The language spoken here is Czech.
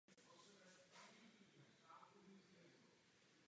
Po rozpuštění brigád se českoslovenští dobrovolníci většinou stáhli do Francie.